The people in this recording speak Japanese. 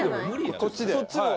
こっちの。